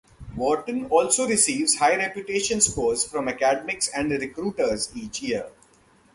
Wharton also receives high reputation scores from academics and recruiters each year.